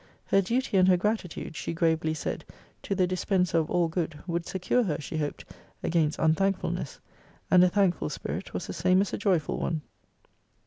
Her duty and her gratitude, she gravely said, to the Dispenser of all good, would secure her, she hoped, against unthankfulness. And a thankful spirit was the same as a joyful one.